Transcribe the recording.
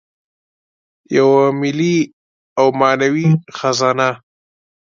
یوه ملي او معنوي خزانه.